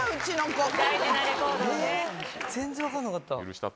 全然分かんなかった。